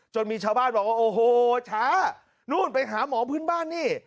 มีชาวบ้านบอกว่าโอ้โหช้านู่นไปหาหมอพื้นบ้านนี่